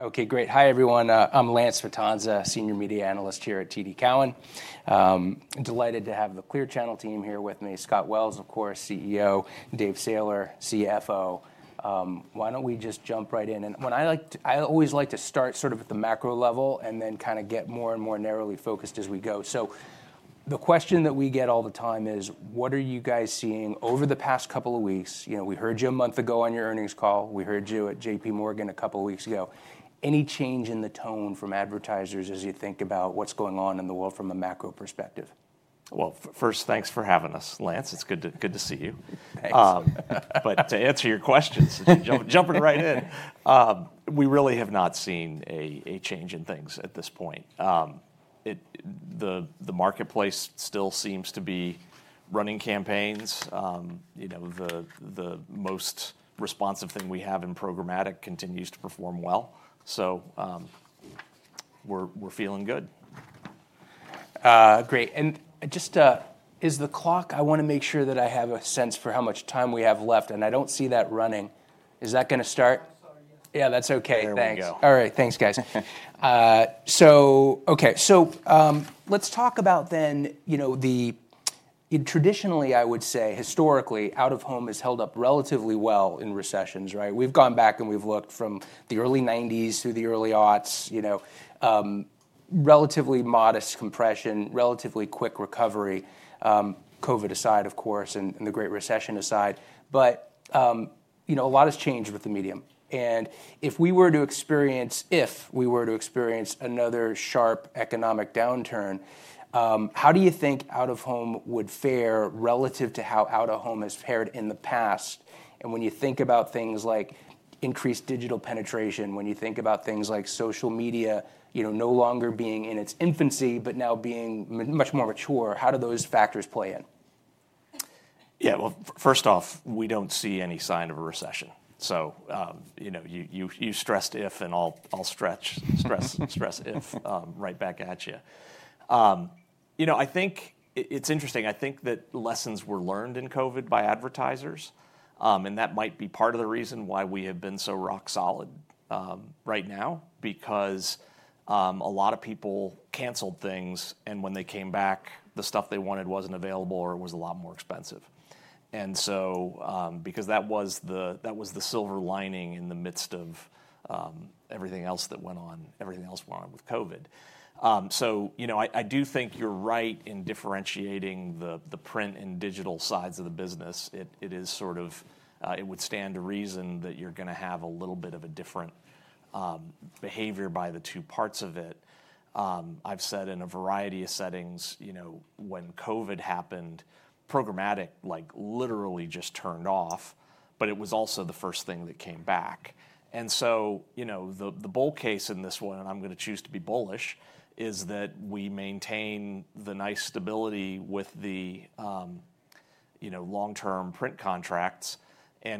Okay, great. Hi, everyone. I'm Lance Vitanza, Senior Media Analyst here at TD Cowen. Delighted to have the Clear Channel team here with me: Scott Wells, of course, CEO; Dave Sailer, CFO. Why don't we just jump right in? I always like to start sort of at the macro level and then kind of get more and more narrowly focused as we go. The question that we get all the time is, what are you guys seeing over the past couple of weeks? We heard you a month ago on your earnings call. We heard you at JPMorgan a couple of weeks ago. Any change in the tone from advertisers as you think about what's going on in the world from a macro perspective? First, thanks for having us, Lance. It's good to see you. To answer your questions, jumping right in, we really have not seen a change in things at this point. The marketplace still seems to be running campaigns. The most responsive thing we have in programmatic continues to perform well. So we're feeling good. Great. Just is the clock, I want to make sure that I have a sense for how much time we have left. I do not see that running. Is that going to start? Yeah, that is ok. Thanks. All right, thanks, guys. ok, let's talk about then the traditionally, I would say, historically, out-of-home has held up relatively well in recessions, right? We have gone back and we have looked from the early 1990s through the early aughts, relatively modest compression, relatively quick recovery, COVID aside, of course, and the Great Recession aside. A lot has changed with the medium. If we were to experience another sharp economic downturn, how do you think out-of-home would fare relative to how out-of-home has fared in the past? When you think about things like increased digital penetration, when you think about things like social media no longer being in its infancy but now being much more mature, how do those factors play in? Yeah, first off, we do not see any sign of a recession. You stressed if, and I will stress if right back at you. I think it is interesting. I think that lessons were learned in COVID by advertisers, and that might be part of the reason why we have been so rock solid right now, because a lot of people canceled things. When they came back, the stuff they wanted was not available or it was a lot more expensive. That was the silver lining in the midst of everything else that went on, everything else went on with COVID. I do think you are right in differentiating the print and digital sides of the business. It is sort of, it would stand to reason that you are going to have a little bit of a different behavior by the two parts of it. I've said in a variety of settings, when COVID happened, programmatic literally just turned off. It was also the first thing that came back. The bull case in this one, and I'm going to choose to be bullish, is that we maintain the nice stability with the long-term print contracts.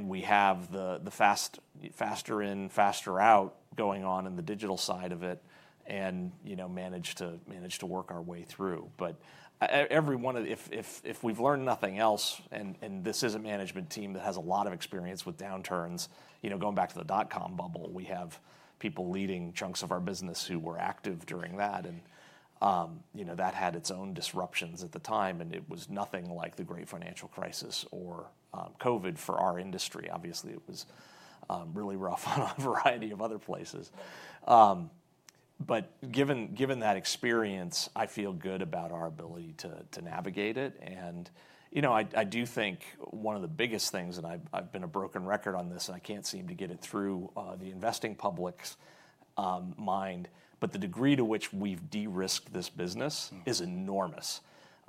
We have the faster in, faster out going on in the digital side of it and manage to work our way through. If we've learned nothing else, and this is a management team that has a lot of experience with downturns, going back to the dot-com bubble, we have people leading chunks of our business who were active during that. That had its own disruptions at the time. It was nothing like the Great Financial Crisis or COVID for our industry. Obviously, it was really rough in a variety of other places. Given that experience, I feel good about our ability to navigate it. I do think one of the biggest things, and I've been a broken record on this, I can't seem to get it through the investing public's mind, but the degree to which we've de-risked this business is enormous.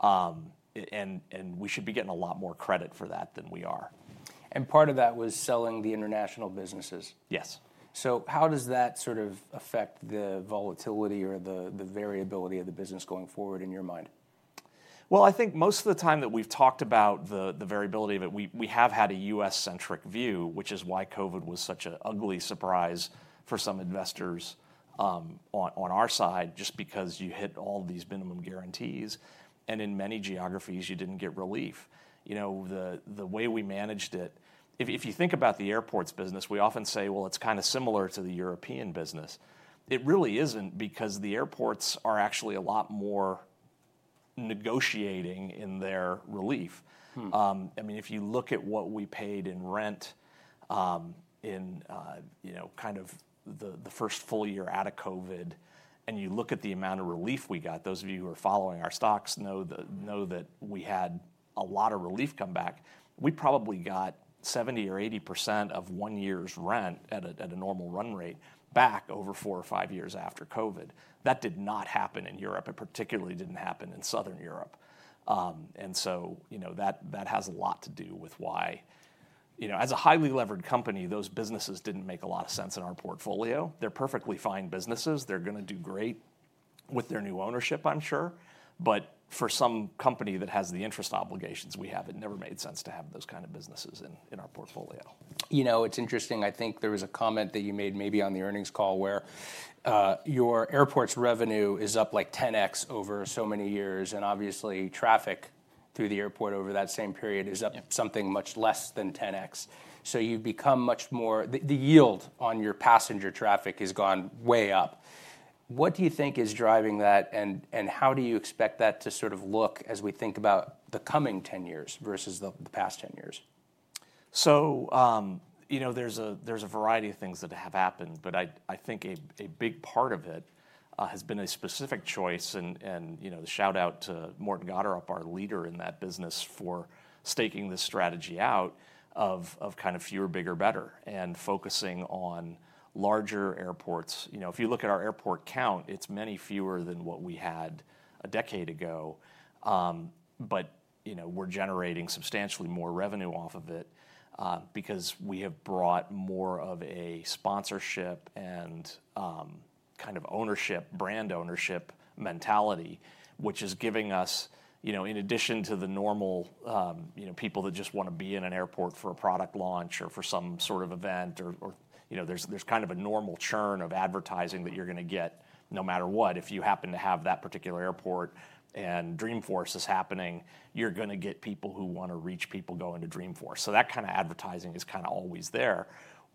We should be getting a lot more credit for that than we are. Part of that was selling the international businesses. Yes. How does that sort of affect the volatility or the variability of the business going forward in your mind? I think most of the time that we've talked about the variability of it, we have had a U.S.-centric view, which is why COVID was such an ugly surprise for some investors on our side, just because you hit all these minimum guarantees. In many geographies, you did not get relief. The way we managed it, if you think about the airports business, we often say, well, it is kind of similar to the European business. It really is not, because the airports are actually a lot more negotiating in their relief. I mean, if you look at what we paid in rent in kind of the first full year out of COVID, and you look at the amount of relief we got, those of you who are following our stocks know that we had a lot of relief come back. We probably got 70% or 80% of one year's rent at a normal run rate back over four or five years after COVID. That did not happen in Europe. It particularly did not happen in Southern Europe. That has a lot to do with why, as a highly levered company, those businesses did not make a lot of sense in our portfolio. They are perfectly fine businesses. They are going to do great with their new ownership, I am sure. For some company that has the interest obligations we have, it never made sense to have those kind of businesses in our portfolio. You know, it's interesting. I think there was a comment that you made maybe on the earnings call where your airports revenue is up like 10x over so many years. Obviously, traffic through the airport over that same period is up something much less than 10x. You have become much more, the yield on your passenger traffic has gone way up. What do you think is driving that? How do you expect that to sort of look as we think about the coming 10 years versus the past 10 years? There's a variety of things that have happened. I think a big part of it has been a specific choice. The shout-out to Morten Gotterup, our leader in that business, for staking this strategy out of kind of fewer, bigger, better and focusing on larger airports. If you look at our airport count, it's many fewer than what we had a decade ago. We're generating substantially more revenue off of it because we have brought more of a sponsorship and kind of ownership, brand ownership mentality, which is giving us, in addition to the normal people that just want to be in an airport for a product launch or for some sort of event, there's kind of a normal churn of advertising that you're going to get no matter what. If you happen to have that particular airport and Dreamforce is happening, you're going to get people who want to reach people going to Dreamforce. That kind of advertising is kind of always there.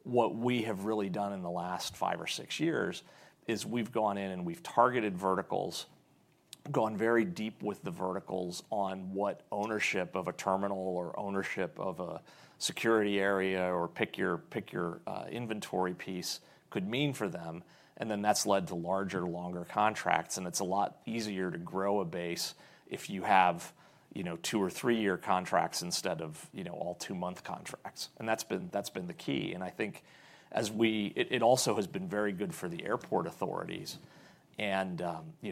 What we have really done in the last five or six years is we've gone in and we've targeted verticals, gone very deep with the verticals on what ownership of a terminal or ownership of a security area or pick your inventory piece could mean for them. That has led to larger, longer contracts. It is a lot easier to grow a base if you have two- or three-year contracts instead of all two-month contracts. That has been the key. I think it also has been very good for the airport authorities.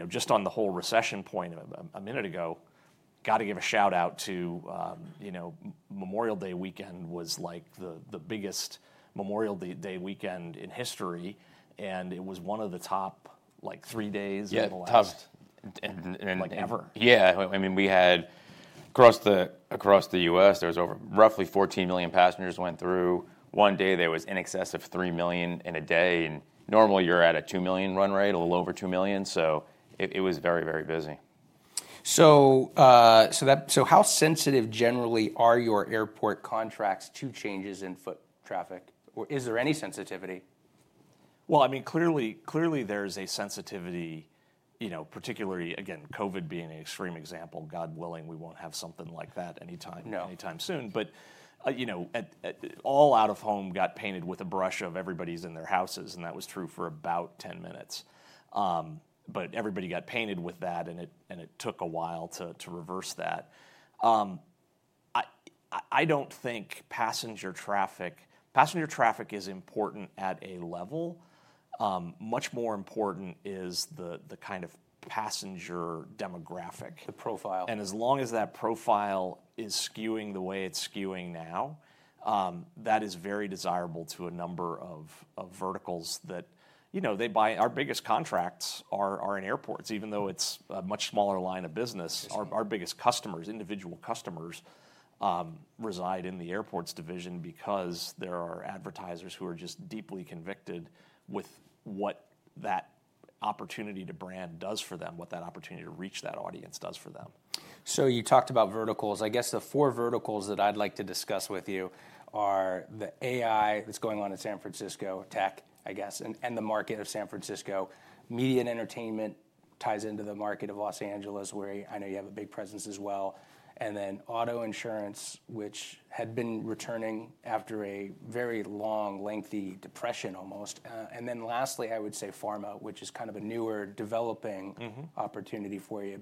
Just on the whole recession point a minute ago, got to give a shout-out to Memorial Day weekend. It was like the biggest Memorial Day weekend in history. It was one of the top three days in the last. Yeah, it was tough. And. Yeah. I mean, we had across the U.S., there was roughly 14 million passengers went through. One day, there was in excess of 3 million in a day. Normally, you are at a 2 million run rate, a little over 2 million. It was very, very busy. How sensitive, generally, are your airport contracts to changes in foot traffic? Is there any sensitivity? I mean, clearly, there is a sensitivity, particularly, again, COVID being an extreme example. God willing, we won't have something like that any time soon. All out-of-home got painted with a brush of everybody's in their houses. That was true for about 10 minutes. Everybody got painted with that, and it took a while to reverse that. I don't think passenger traffic is important at a level. Much more important is the kind of passenger demographic. The profile. As long as that profile is skewing the way it's skewing now, that is very desirable to a number of verticals that our biggest contracts are in airports. Even though it's a much smaller line of business, our biggest customers, individual customers, reside in the airports division because there are advertisers who are just deeply convicted with what that opportunity to brand does for them, what that opportunity to reach that audience does for them. You talked about verticals. I guess the four verticals that I'd like to discuss with you are the AI that's going on in San Francisco, tech, I guess, and the market of San Francisco. Media and entertainment ties into the market of Los Angeles, where I know you have a big presence as well. Auto insurance, which had been returning after a very long, lengthy depression almost. Lastly, I would say Pharma, which is kind of a newer developing opportunity for you.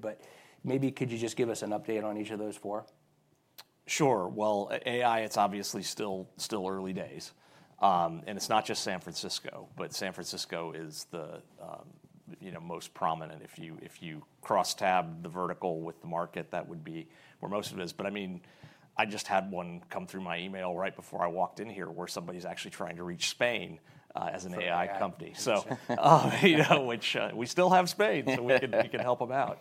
Maybe could you just give us an update on each of those four? Sure. AI, it's obviously still early days. It's not just San Francisco. San Francisco is the most prominent. If you cross-tab the vertical with the market, that would be where most of it is. I just had one come through my email right before I walked in here where somebody's actually trying to reach Spain as an AI company. Oh, interesting. Which we still have Spain, so we can help them out.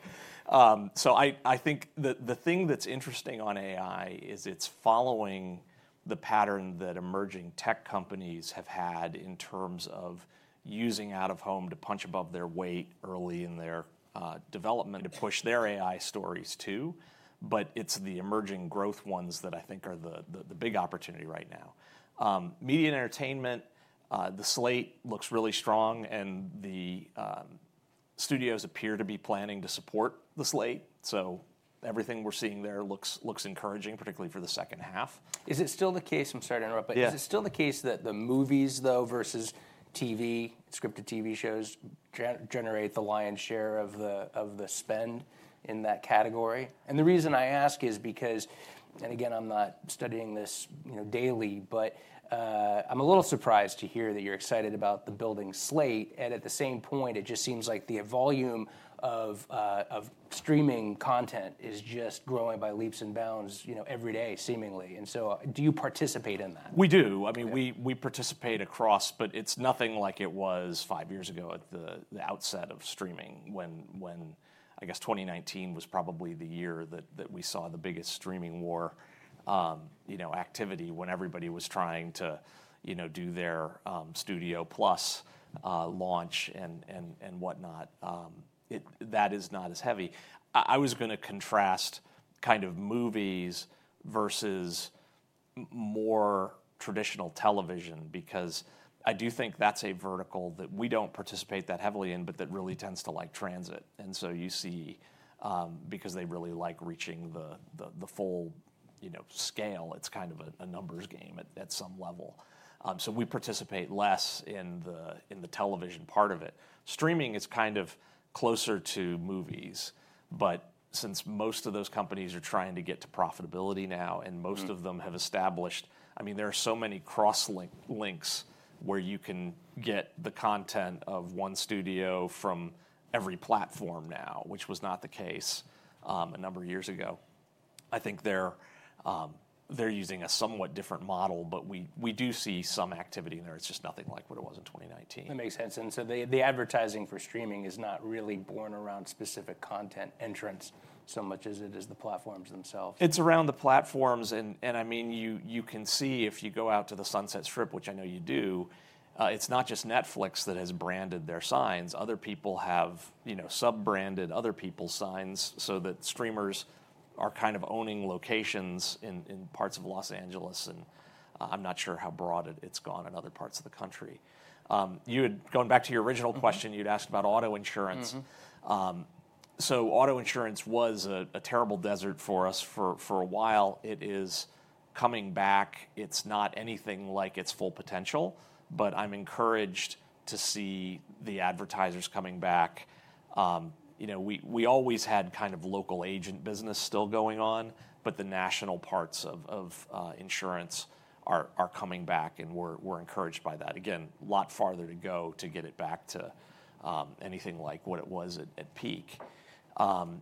I think the thing that's interesting on AI is it's following the pattern that emerging tech companies have had in terms of using out-of-home to punch above their weight early in their development. To push their AI stories too. It's the emerging growth ones that I think are the big opportunity right now. Media and entertainment, the slate looks really strong. The studios appear to be planning to support the slate. Everything we're seeing there looks encouraging, particularly for the second half. Is it still the case? I'm sorry to interrupt. Yeah. Is it still the case that the movies, though, versus TV, scripted TV shows generate the lion's share of the spend in that category? The reason I ask is because, and again, I'm not studying this daily, but I'm a little surprised to hear that you're excited about the building slate. At the same point, it just seems like the volume of streaming content is just growing by leaps and bounds every day, seemingly. Do you participate in that? We do. I mean, we participate across. It is nothing like it was five years ago at the outset of streaming when, I guess, 2019 was probably the year that we saw the biggest streaming war activity when everybody was trying to do their studio plus launch and whatnot. That is not as heavy. I was going to contrast kind of movies versus more traditional television because I do think that is a vertical that we do not participate that heavily in but that really tends to like transit. You see, because they really like reaching the full scale, it is kind of a numbers game at some level. We participate less in the television part of it. Streaming is kind of closer to movies. Since most of those companies are trying to get to profitability now, and most of them have established, I mean, there are so many cross-links where you can get the content of one studio from every platform now, which was not the case a number of years ago. I think they're using a somewhat different model. We do see some activity in there. It's just nothing like what it was in 2019. That makes sense. The advertising for streaming is not really born around specific content entrants so much as it is the platforms themselves. It's around the platforms. I mean, you can see if you go out to the Sunset Strip, which I know you do, it's not just Netflix that has branded their signs. Other people have sub-branded other people's signs so that streamers are kind of owning locations in parts of Los Angeles. I'm not sure how broad it's gone in other parts of the country. Going back to your original question, you'd asked about auto insurance. Auto insurance was a terrible desert for us for a while. It is coming back. It's not anything like its full potential. I'm encouraged to see the advertisers coming back. We always had kind of local agent business still going on. The national parts of insurance are coming back. We're encouraged by that. Again, a lot farther to go to get it back to anything like what it was at peak. Then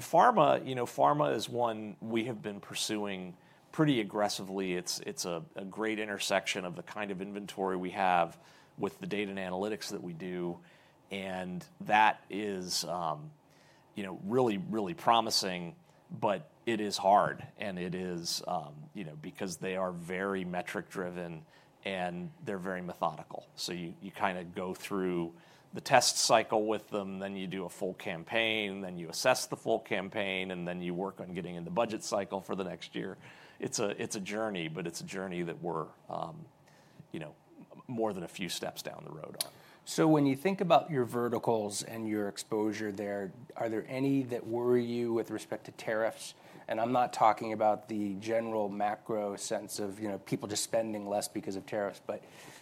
Pharma, Pharma is one we have been pursuing pretty aggressively. It's a great intersection of the kind of inventory we have with the data and analytics that we do. That is really, really promising. It is hard. It is because they are very metric-driven. They're very methodical. You kind of go through the test cycle with them. You do a full campaign. You assess the full campaign. You work on getting in the budget cycle for the next year. It's a journey. It's a journey that we're more than a few steps down the road on. When you think about your verticals and your exposure there, are there any that worry you with respect to tariffs? I am not talking about the general macro sense of people just spending less because of tariffs.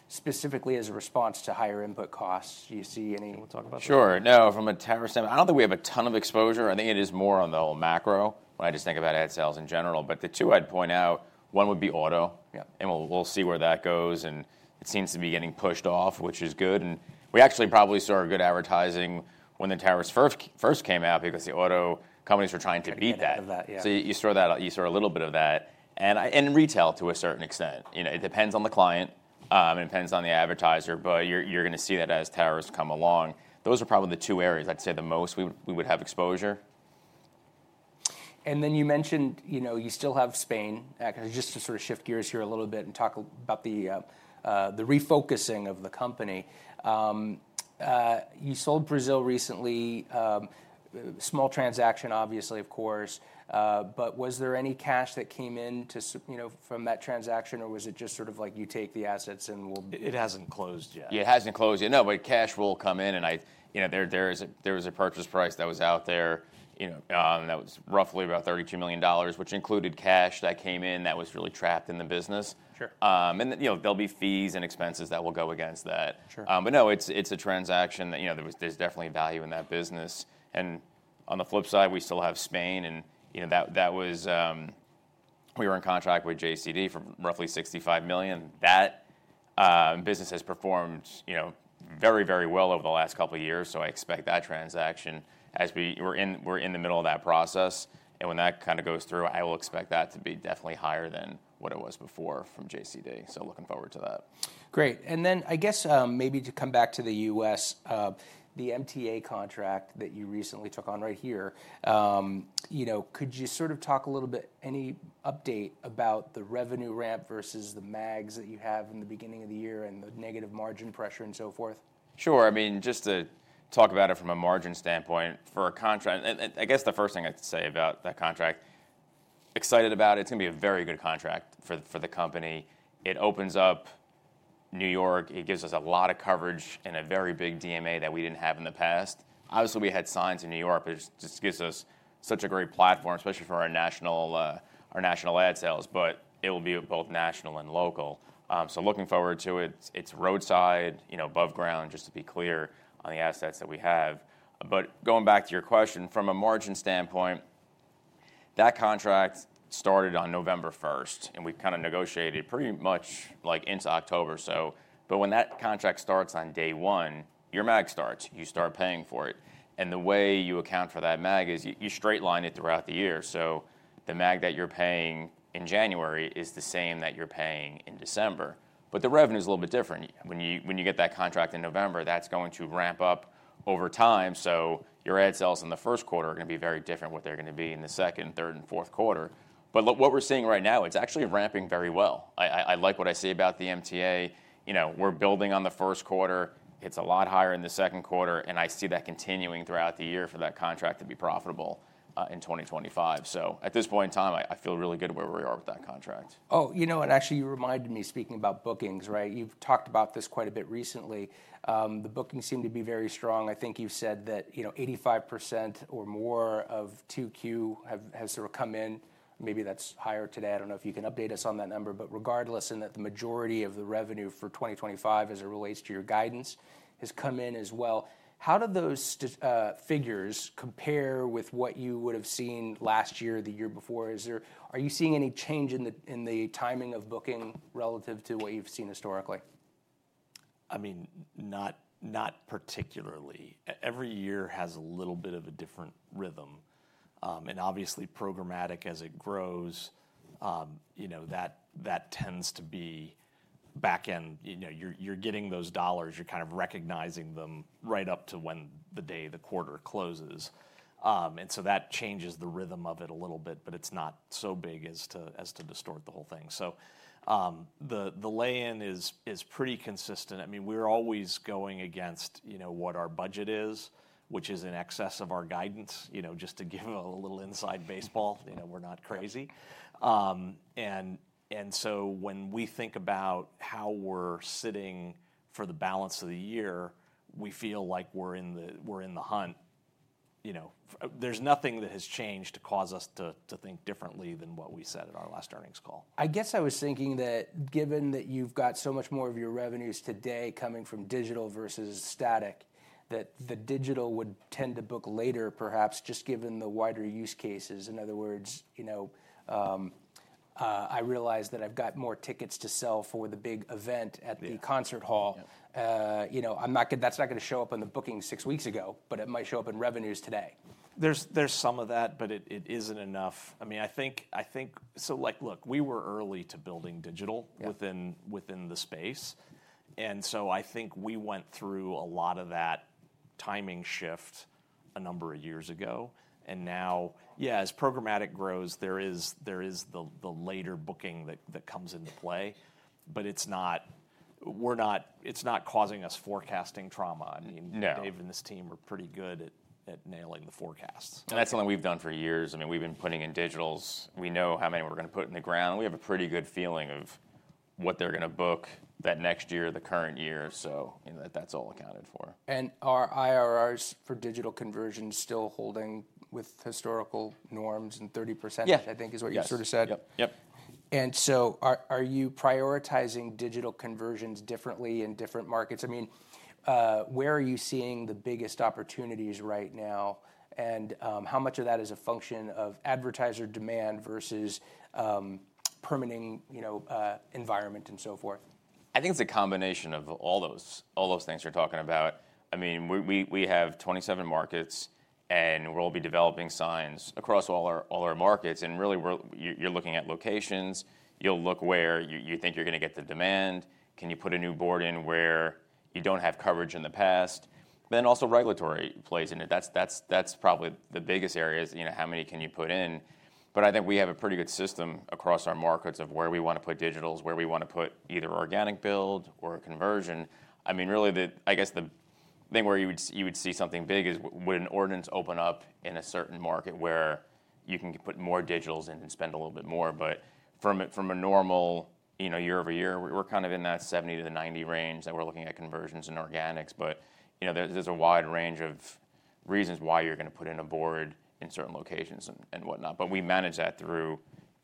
Specifically as a response to higher input costs, do you see any? Sure. No. From a tariff standpoint, I do not think we have a ton of exposure. I think it is more on the whole macro when I just think about ad sales in general. The two I would point out, one would be auto. We will see where that goes. It seems to be getting pushed off, which is good. We actually probably saw good advertising when the tariffs first came out because the auto companies were trying to beat that. To beat that, yeah. You saw a little bit of that. And retail to a certain extent. It depends on the client. It depends on the advertiser. You're going to see that as tariffs come along. Those are probably the two areas I'd say the most we would have exposure. You mentioned you still have Spain. Just to sort of shift gears here a little bit and talk about the refocusing of the company. You sold Brazil recently, small transaction, obviously, of course. Was there any cash that came in from that transaction? Or was it just sort of like you take the assets and we'll. It hasn't closed yet. Yeah, it hasn't closed yet. No. But cash will come in. And there was a purchase price that was out there. That was roughly about $32 million, which included cash that came in that was really trapped in the business. And there'll be fees and expenses that will go against that. But no, it's a transaction. There's definitely value in that business. On the flip side, we still have Spain. We were in contract with JCD for roughly $65 million. That business has performed very, very well over the last couple of years. I expect that transaction as we're in the middle of that process. When that kind of goes through, I will expect that to be definitely higher than what it was before from JCD. Looking forward to that. Great.I guess maybe to come back to the U.S., the MTA contract that you recently took on right here, could you sort of talk a little bit, any update about the revenue ramp versus the MAGs that you have in the beginning of the year and the negative margin pressure and so forth? Sure. I mean, just to talk about it from a margin standpoint for a contract. I guess the first thing I'd say about that contract, excited about it. It's going to be a very good contract for the company. It opens up New York. It gives us a lot of coverage and a very big DMA that we didn't have in the past. Obviously, we had signs in New York. It just gives us such a great platform, especially for our national ad sales. It will be both national and local. Looking forward to it. It's roadside, above ground, just to be clear on the assets that we have. Going back to your question, from a margin standpoint, that contract started on November 1st. We kind of negotiated pretty much like into October. When that contract starts on day one, your MAG starts. You start paying for it. The way you account for that MAG is you straight line it throughout the year. The MAG that you're paying in January is the same that you're paying in December. The revenue is a little bit different. When you get that contract in November, that's going to ramp up over time. Your ad sales in the first quarter are going to be very different from what they're going to be in the second, third, and fourth quarter. What we're seeing right now, it's actually ramping very well. I like what I see about the MTA. We're building on the first quarter. It's a lot higher in the second quarter. I see that continuing throughout the year for that contract to be profitable in 2025. At this point in time, I feel really good where we are with that contract. Oh, you know what? Actually, you reminded me speaking about bookings, right? You've talked about this quite a bit recently. The bookings seem to be very strong. I think you've said that 85% or more of 2Q has sort of come in. Maybe that's higher today. I don't know if you can update us on that number. Regardless, the majority of the revenue for 2025 as it relates to your guidance has come in as well. How do those figures compare with what you would have seen last year, the year before? Are you seeing any change in the timing of booking relative to what you've seen historically? I mean, not particularly. Every year has a little bit of a different rhythm. Obviously, programmatic as it grows, that tends to be back end. You're getting those dollars. You're kind of recognizing them right up to when the day, the quarter closes. That changes the rhythm of it a little bit. It's not so big as to distort the whole thing. The lay-in is pretty consistent. I mean, we're always going against what our budget is, which is in excess of our guidance, just to give a little inside baseball. We're not crazy. When we think about how we're sitting for the balance of the year, we feel like we're in the hunt. There's nothing that has changed to cause us to think differently than what we said at our last earnings call. I guess I was thinking that given that you've got so much more of your revenues today coming from digital versus static, that the digital would tend to book later perhaps just given the wider use cases. In other words, I realize that I've got more tickets to sell for the big event at the concert hall. That's not going to show up on the booking six weeks ago. It might show up in revenues today. There's some of that. It isn't enough. I mean, I think, so look, we were early to building digital within the space. I think we went through a lot of that timing shift a number of years ago. Now, yeah, as programmatic grows, there is the later booking that comes into play. It's not causing us forecasting trauma. I mean, Dave and this team are pretty good at nailing the forecasts. That's something we've done for years. I mean, we've been putting in digitals. We know how many we're going to put in the ground. We have a pretty good feeling of what they're going to book that next year, the current year. That's all accounted for. Are IRRs for digital conversions still holding with historical norms and 30%, I think, is what you sort of said? Yep. Yep. Are you prioritizing digital conversions differently in different markets? I mean, where are you seeing the biggest opportunities right now? And how much of that is a function of advertiser demand versus permitting environment and so forth? I think it's a combination of all those things you're talking about. I mean, we have 27 markets. We'll be developing signs across all our markets. Really, you're looking at locations. You'll look where you think you're going to get the demand. Can you put a new board in where you don't have coverage in the past? Regulatory plays in it. That's probably the biggest area, is how many can you put in. I think we have a pretty good system across our markets of where we want to put digitals, where we want to put either organic build or conversion. I mean, really, I guess the thing where you would see something big is would an ordinance open up in a certain market where you can put more digitals in and spend a little bit more? From a normal year-over-year, we're kind of in that 70 markets-90 markets range that we're looking at conversions and organics. There is a wide range of reasons why you're going to put in a board in certain locations and whatnot. We manage that through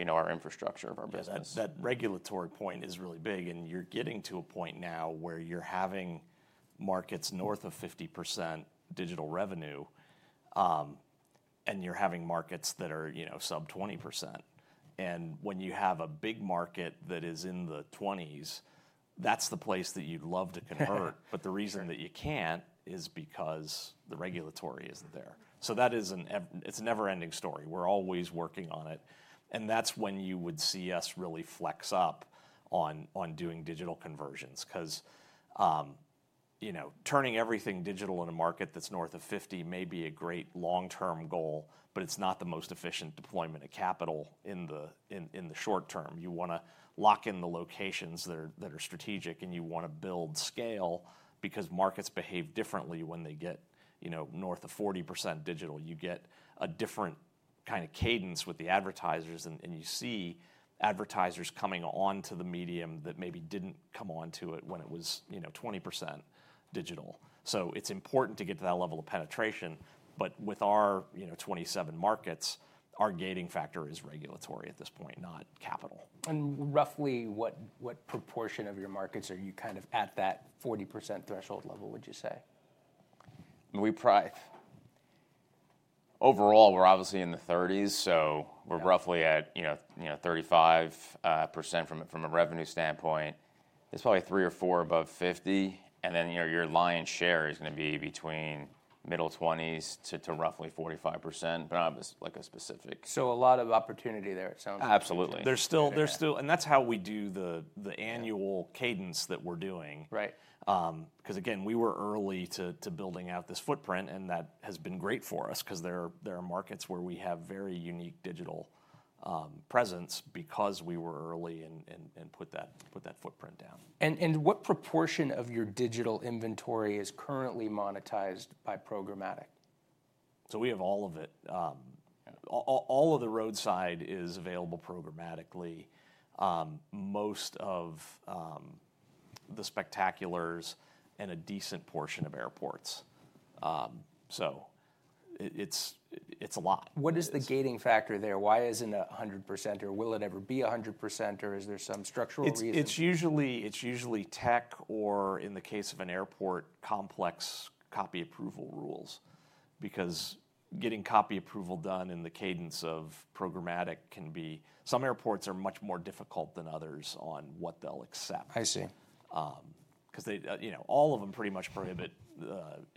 our infrastructure of our business. That regulatory point is really big. You are getting to a point now where you are having markets north of 50% digital revenue. You are having markets that are sub 20%. When you have a big market that is in the 20s, that is the place that you would love to convert. The reason that you cannot is because the regulatory is not there. It is a never-ending story. We are always working on it. That is when you would see us really flex up on doing digital conversions. Turning everything digital in a market that is north of 50% may be a great long-term goal. It is not the most efficient deployment of capital in the short term. You want to lock in the locations that are strategic. You want to build scale because markets behave differently when they get north of 40% digital. You get a different kind of cadence with the advertisers. You see advertisers coming onto the medium that maybe did not come onto it when it was 20% digital. It is important to get to that level of penetration. With our 27 markets, our gating factor is regulatory at this point, not capital. Roughly what proportion of your markets are you at that 40% threshold level, would you say? Overall, we're obviously in the 30%s. So we're roughly at 35% from a revenue standpoint. There's probably three or four above 50%. And then your lion's share is going to be between middle 20%s to roughly 45%. But not like a specific. A lot of opportunity there, it sounds like. Absolutely. That is how we do the annual cadence that we are doing. Because again, we were early to building out this footprint. That has been great for us. There are markets where we have very unique digital presence because we were early and put that footprint down. What proportion of your digital inventory is currently monetized by programmatic? We have all of it. All of the roadside is available programmatically, most of the spectaculars, and a decent portion of airports. It is a lot. What is the gating factor there? Why isn't it 100%? Or will it ever be 100%? Or is there some structural reason? It's usually tech or, in the case of an airport, complex copy approval rules. Because getting copy approval done in the cadence of programmatic can be some airports are much more difficult than others on what they'll accept. Because all of them pretty much prohibit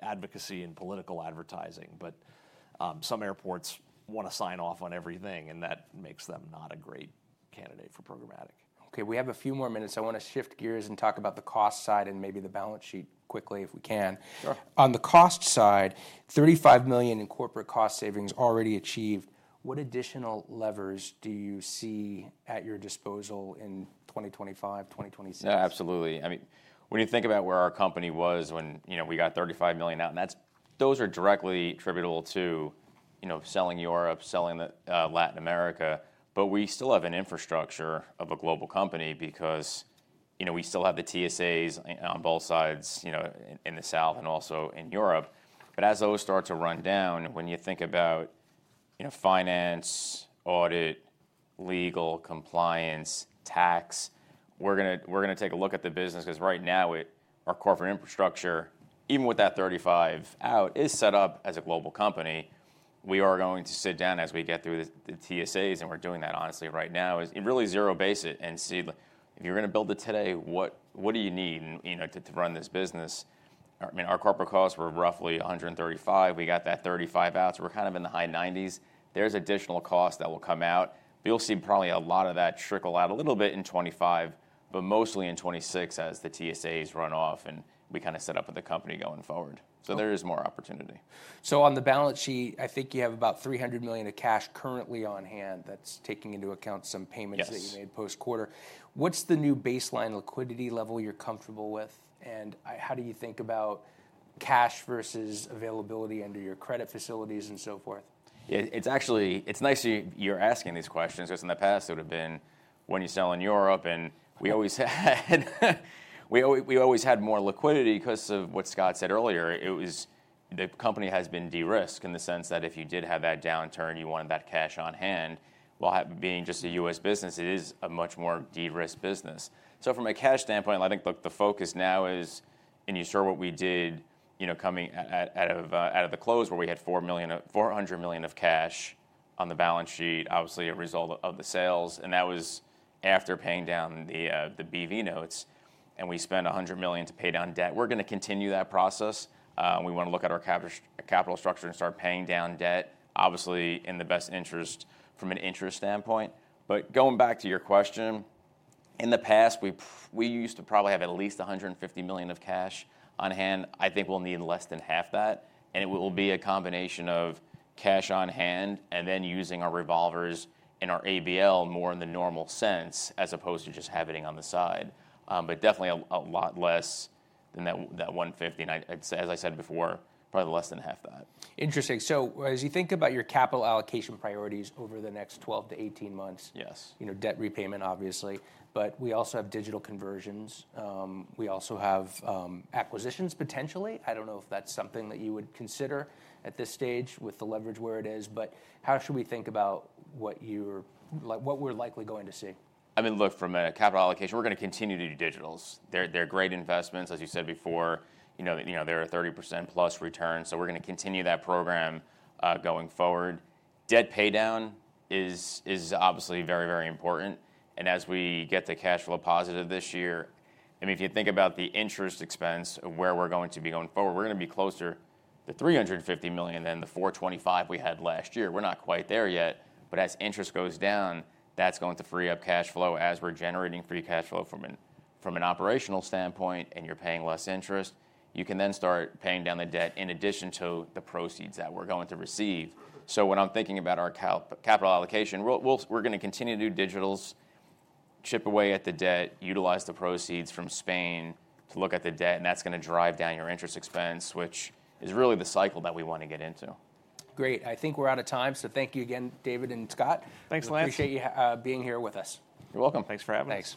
advocacy and political advertising. Some airports want to sign off on everything. That makes them not a great candidate for programmatic. OK. We have a few more minutes. I want to shift gears and talk about the cost side and maybe the balance sheet quickly if we can. On the cost side, $35 million in corporate cost savings already achieved. What additional levers do you see at your disposal in 2025, 2026? Absolutely. I mean, when you think about where our company was when we got $35 million out, those are directly attributable to selling Europe, selling Latin America. We still have an infrastructure of a global company because we still have the TSAs on both sides in the South and also in Europe. As those start to run down, when you think about finance, audit, legal, compliance, tax, we are going to take a look at the business. Right now, our corporate infrastructure, even with that $35 million out, is set up as a global company. We are going to sit down as we get through the TSAs. We are doing that honestly right now, really zero base it and see if you are going to build it today, what do you need to run this business? I mean, our corporate costs were roughly $135 million. We got that $35 million out. We're kind of in the high 90s. There's additional costs that will come out. You'll see probably a lot of that trickle out a little bit in 2025, but mostly in 2026 as the TSAs run off and we kind of set up with the company going forward. There is more opportunity. On the balance sheet, I think you have about $300 million of cash currently on hand that's taking into account some payments that you made post-quarter. What's the new baseline liquidity level you're comfortable with? How do you think about cash versus availability under your credit facilities and so forth? It's nice you're asking these questions. Because in the past, it would have been when you sell in Europe. We always had more liquidity because of what Scott said earlier. The company has been de-risked in the sense that if you did have that downturn, you wanted that cash on hand. While being just a U.S. business, it is a much more de-risked business. From a cash standpoint, I think the focus now is, and you saw what we did coming out of the close where we had $400 million of cash on the balance sheet, obviously a result of the sales. That was after paying down the B.V. Notes. We spent $100 million to pay down debt. We're going to continue that process. We want to look at our capital structure and start paying down debt, obviously in the best interest from an interest standpoint. Going back to your question, in the past, we used to probably have at least $150 million of cash on hand. I think we'll need less than half that. It will be a combination of cash on hand and then using our revolvers and our ABL more in the normal sense as opposed to just having it on the side. Definitely a lot less than that $150 million. As I said before, probably less than half that. Interesting. As you think about your capital allocation priorities over the next 12 months, 18 months, debt repayment, obviously. We also have digital conversions. We also have acquisitions potentially. I do not know if that is something that you would consider at this stage with the leverage where it is. How should we think about what we are likely going to see? I mean, look, from a capital allocation, we're going to continue to do digitals. They're great investments, as you said before. They're a 30%+ return. We're going to continue that program going forward. Debt pay down is obviously very, very important. As we get the cash flow positive this year, I mean, if you think about the interest expense of where we're going to be going forward, we're going to be closer to $350 million than the $425 million we had last year. We're not quite there yet. As interest goes down, that's going to free up cash flow as we're generating free cash flow from an operational standpoint. You're paying less interest. You can then start paying down the debt in addition to the proceeds that we're going to receive. When I'm thinking about our capital allocation, we're going to continue to do digitals, chip away at the debt, utilize the proceeds from Spain to look at the debt. That's going to drive down your interest expense, which is really the cycle that we want to get into. Great. I think we're out of time. So thank you again, David and Scott. Thanks, Lance. Appreciate you being here with us. You're welcome. Thanks for having us.